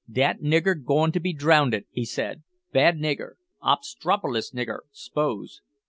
"Dat nigger goin' to be drownded," he said; "bad nigger obstropolous nigger, suppose."